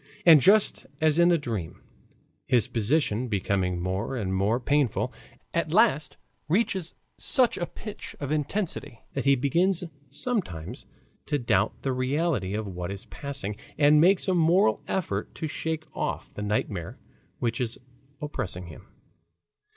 And just as in a dream, his position becoming more and more painful, at last reaches such a pitch of intensity that he begins sometimes to doubt the reality of what is passing and makes a moral effort to shake off the nightmare which is oppressing him.